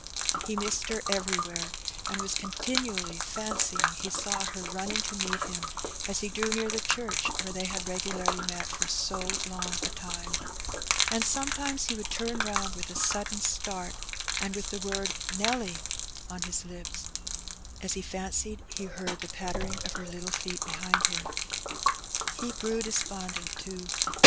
He missed her everywhere^ and was continually fancying he saw her mnning to meet him as he drew near the church where they had regularly met for so long a time; and some times he would turn round with a sudden starts and with the word "Nelly" on his lips, as he fancied he heard the pattering of her little feet behind him. He grew despondent, too.